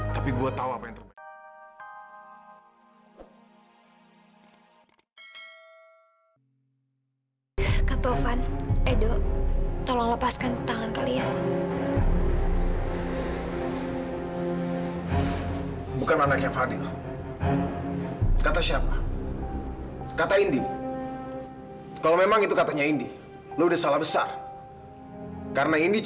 tapi gue tau apa yang terbaik